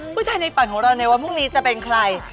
ผู้ชายในฝันของเราในวันพรุ่งนี้จะเป็นใคร